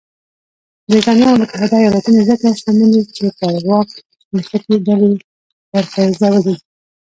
برېټانیا او متحده ایالتونه ځکه شتمن دي چې پر واک نښتې ډلې وپرځولې.